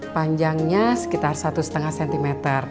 panjangnya sekitar satu lima cm